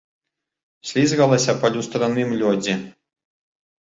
Слізгалася па люстраным лёдзе.